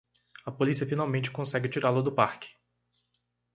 A polícia finalmente consegue tirá-lo do parque!